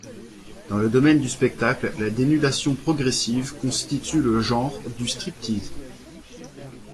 Dans le domaine du spectacle, la dénudation progressive constitue le genre du striptease.